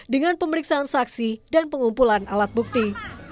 dengan pemeriksaan saksi dan pengumpulan alat bukti